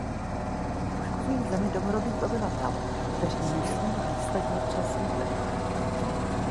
Poškozují zemi domorodých obyvatel, kteří musí výsledně přesídlit.